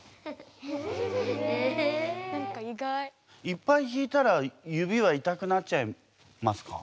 いっぱい弾いたら指は痛くなっちゃいますか？